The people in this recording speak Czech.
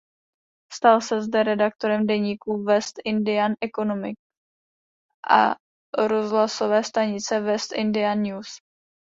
Stal se zde redaktorem deníku "West Indian Economist" a rozhlasové stanice "West Indian News".